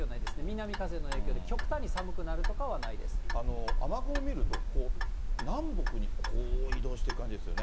南風の影響で、極端に寒くなると雨雲見ると、南北にこう移動していく感じですよね。